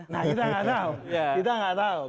nah kita gak tau kita gak tau